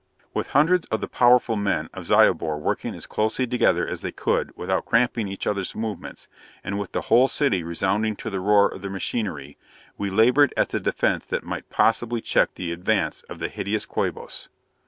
With hundreds of the powerful men of Zyobor working as closely together as they could without cramping each others movements, and with the whole city resounding to the roar of the machinery, we labored at the defence that might possibly check the advance of the hideous Quabos.